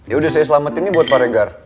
yaudah saya selamatin nih buat pak regar